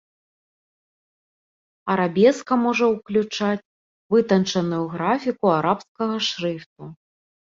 Арабеска можа ўключаць вытанчаную графіку арабскага шрыфту.